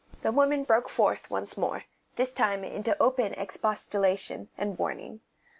The women broke forth once more, this time into open expostulation and warning.